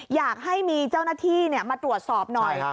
อยากให้มีเจ้าหน้าที่มาตรวจสอบหน่อย